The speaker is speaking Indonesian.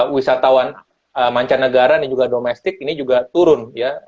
wisatawan mancanegara dan juga domestik ini juga turun ya